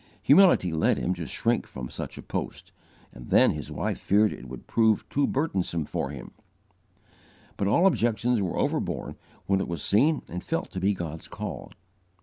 Humility led him to shrink from such a post, and his then wife feared it would prove too burdensome for him; but all objections were overborne when it was seen and felt to be God's call.